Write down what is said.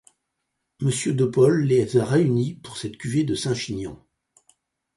Mr Depaule les a réunis pour cette cuvée de St Chinian.